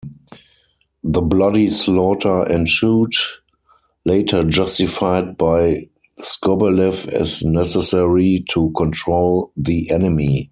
The bloody slaughter ensued, later justified by Skobelev as necessary to control the enemy.